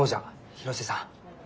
広瀬さん